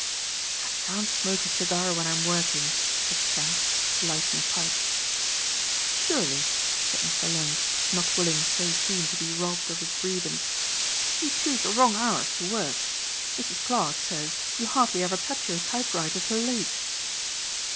"I can't smoke a cigar when I'm working," said Trent, lighting a pipe. "Surely," said Mr. Lund, not willing so soon to be robbed of his grievance, "you choose the wrong hours to work. Mrs. Clarke says you hardly ever touch your typewriter till late."